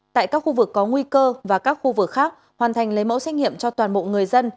tại các khu vực có nguy cơ và các khu vực khác hoàn thành lấy mẫu xét nghiệm cho toàn bộ người dân